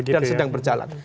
dan sedang berjalan